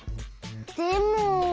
でも。